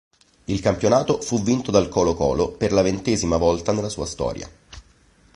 Il campionato fu vinto dal Colo-Colo per la ventesima volta nella sua storia.